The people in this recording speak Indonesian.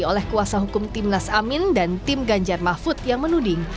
oleh kuasa hukum timnas amin dan tim ganjar mahfud yang menuding